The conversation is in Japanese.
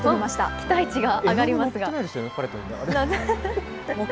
期待値が上がりますが。